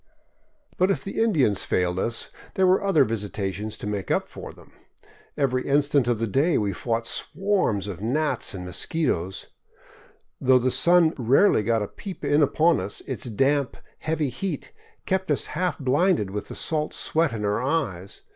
But if the Indians failed us, there were other visitations to make up for them. Every instant of the day we fought swarms of gnats and mosquitos ; though the sun rarely got a peep in upon us, its damp, heavy heat kept us half blinded with the salt sweat in our eyes.